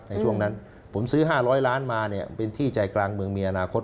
ในช่วงนั้นผมซื้อ๕๐๐ล้านมาเนี่ยเป็นที่ใจกลางเมืองมีอนาคต